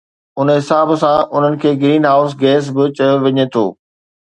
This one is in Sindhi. ان حساب سان انهن کي گرين هائوس گيس به چيو وڃي ٿو